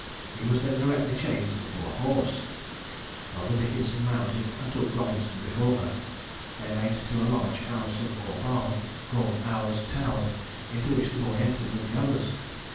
He was then directly changed into a horse; Mother Dickenson mounted, and took Robinson before her. They made to a large house or barn, called Hours town, into which the boy entered with the others.